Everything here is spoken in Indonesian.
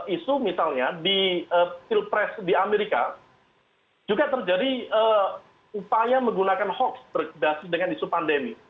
isu misalnya di pilpres di amerika juga terjadi upaya menggunakan hoax berdasar dengan isu pandemi